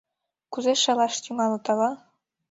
Кузе шелаш тӱҥалыт, ала?